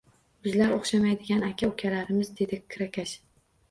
Bizlar o`xshamaydigan aka-ukalarmiz, dedi kirakash